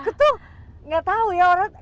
aku tuh gak tau ya aurel